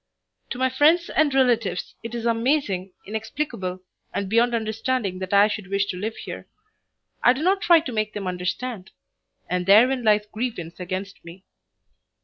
To my friends and relatives it is amazing, inexplicable, and beyond understanding that I should wish to live here. I do not try to make them understand; and therein lies grievance against me.